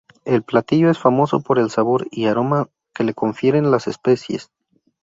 El platillo es famoso por el sabor y aroma que le confieren las especies.